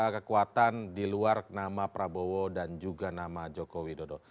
kekuatan di luar nama prabowo dan juga nama joko widodo